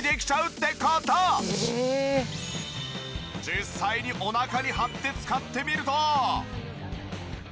実際にお腹に貼って使ってみると。